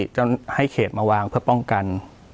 จนให้เขตมาวางเพื่อป้องกัน